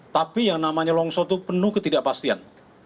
tapi yang namanya longsho itu penuh ketidakpastian